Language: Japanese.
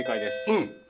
うん！